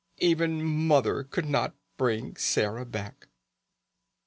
Even Mother could not bring Sarah back!